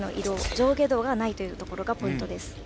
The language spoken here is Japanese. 上下動がないというところがポイントです。